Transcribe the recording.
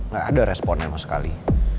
gak ada responnya emang sekali